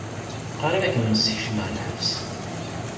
Qrib ad kem-nessekcem ɣer lḥebs.